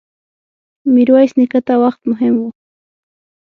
ميرويس نيکه ته وخت مهم و.